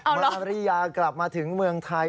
มาริยากลับมาถึงเมืองไทย